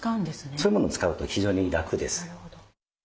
そういうもの使うと非常に楽です。